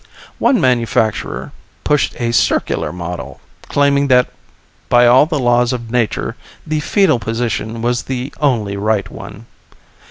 One manufacturer pushed a circular model, claiming that by all the laws of nature the foetal position was the only right one.